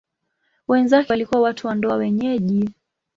Wenzake walikuwa watu wa ndoa wenyeji.